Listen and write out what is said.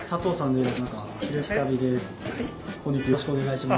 よろしくお願いします。